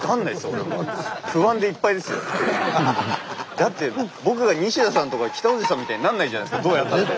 だって僕が西田さんとか北大路さんみたいになんないじゃないですかどうやったって。